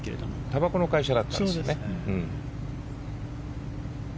たばこの会社だったんですね。